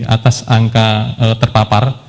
atas angka terpapar